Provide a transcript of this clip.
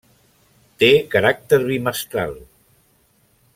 Té caràcter bimestral.